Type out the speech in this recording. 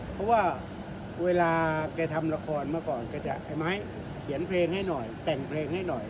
เพราะว่าเวลาแกทำละครเมื่อก่อนแกจะไอ้ไม้เขียนเพลงให้หน่อยแต่งเพลงให้หน่อย